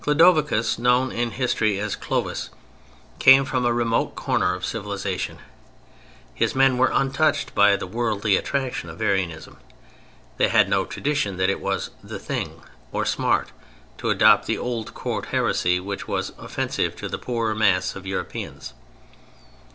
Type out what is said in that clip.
Clodovicus—known in history as Clovis—came from a remote corner of civilization. His men were untouched by the worldly attraction of Arianism; they had no tradition that it was "the thing" or "smart" to adopt the old court heresy which was offensive to the poorer mass of Europeans.